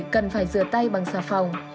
cần phải rửa tay bằng xà phòng